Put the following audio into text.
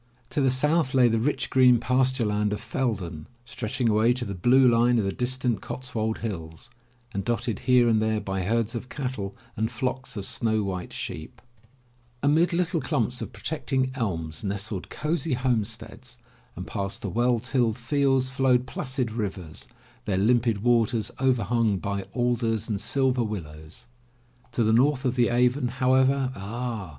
To the south lay the rich green pasture land of Feldon, stretching away to the blue line of the distant Cotswold hills, and dotted here and there by herds of cattle and flocks of snow white sheep. Amid little clumps of protecting elms nestled *Read Master Skylark, a story of Shakespeare's time, by John Bennett 152 THE LATCH KEY cozy homesteads, and past the well tilled fields flowed placid rivers, their limpid waters overhung by alders and silver willows. To the, north of the Avon, however — Ah!